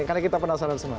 karena kita penasaran semua